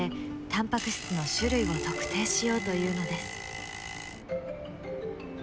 タンパク質の種類を特定しようというのです。